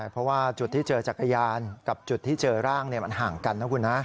เพราะว่าจุดที่เจอจักรยานกับจุดที่เจอร่างมันห่างกันนะคุณนะ